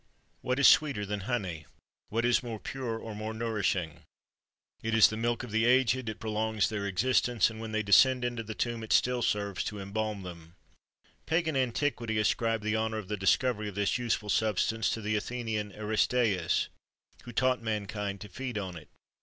What is sweeter than honey?[XXIII 43] what is more pure,[XXIII 44] or more nourishing?[XXIII 45] It is the milk of the aged, it prolongs their existence,[XXIII 46] and when they descend into the tomb, it still serves to embalm them.[XXIII 47] Pagan antiquity ascribed the honour of the discovery of this useful substance to the Athenian Aristæus, who taught mankind to feed on it.